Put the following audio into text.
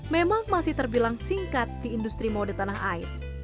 memang masih terbilang singkat di industri mode tanah air